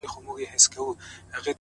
بيا د تورو سترګو و بلا ته مخامخ يمه؛